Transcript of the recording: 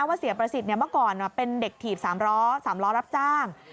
เสียประสิทธิ์เมื่อก่อนเป็นเด็กถีบ๓ล้อ๓ล้อรับจ้าง